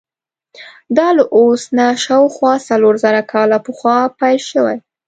دا له اوس نه شاوخوا څلور زره کاله پخوا پیل شوی.